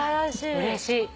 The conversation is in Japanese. うれしい。